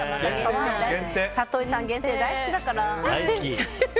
里井さん、限定大好きだからね。